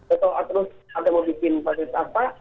atau terus mau bikin pasir apa